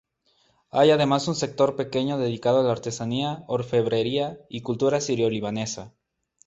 Hay además un sector pequeño dedicado a la artesanía, orfebrería y cultura Sirio-Libanesa.